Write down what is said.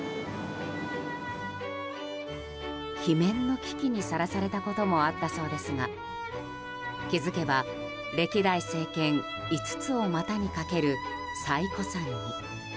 罷免の危機にさらされたこともあったそうですが気づけば歴代政権５つを股にかける最古参に。